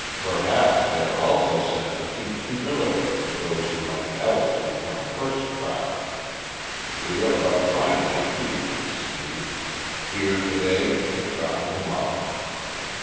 Perhaps they are also sent to teach humility to those who might else become purse proud. We are but finite creatures, Sneed, here to day and gone to morrow.